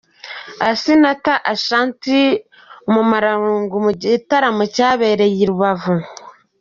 Asinaha Ashanti Umumararungu mu gitaramo cyabereye i Rubavu.